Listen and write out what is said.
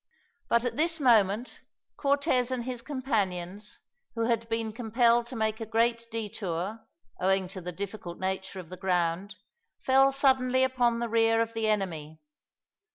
But at this moment Cortez and his companions, who had been compelled to make a great detour, owing to the difficult nature of the ground, fell suddenly upon the rear of the enemy.